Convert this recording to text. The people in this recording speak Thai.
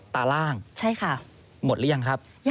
ตาล่างหมดหรือยังครับใช่ค่ะ